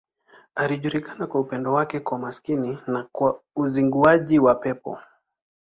Alijulikana kwa upendo wake kwa maskini na kwa uzinguaji wa pepo.